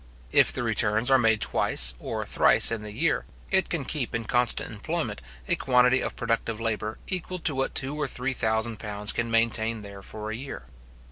If the returns are made twice or thrice in the year, it can keep in constant employment a quantity of productive labour, equal to what two or three thousand pounds can maintain there for a year.